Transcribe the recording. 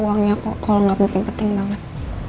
uangnya kok gak penting penting banget